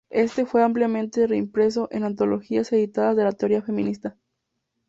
Éste fue ampliamente reimpreso en antologías editadas de la teoría feminista.